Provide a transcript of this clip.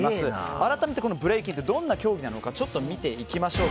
改めて、ブレイキンってどんな競技なのか見ていきましょう。